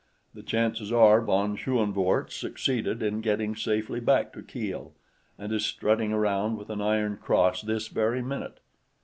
The chances are von Schoenvorts succeeded in getting safely back to Kiel and is strutting around with an Iron Cross this very minute.